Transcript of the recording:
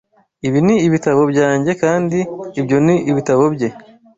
Ibi ni ibitabo byanjye kandi ibyo ni ibitabo bye.